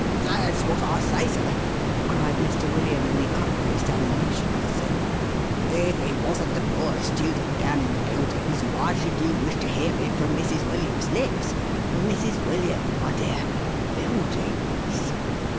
"That's what I say, sir I11 cried Mr. William, in the utmost animation of assent. " If i t wasn't the poor student down in the Buildings, why should you wish to hear it from Mrs. William's lips? Mrs. William, my dear — Buildings."